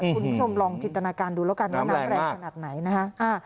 คุณผู้ชมลองจินตนาการดูแล้วกันว่าน้ำแรงขนาดไหนนะคะ